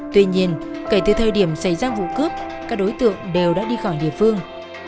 tuy nhiên kể từ thời điểm xảy ra vụ cướp các đối tượng đều đã đi khỏi địa phương